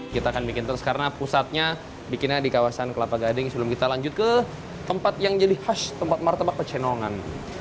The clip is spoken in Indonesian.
kita akan bikin terus karena pusatnya bikinnya di kawasan kelapa gading sebelum kita lanjut ke tempat yang jadi khas tempat martabak pecenongan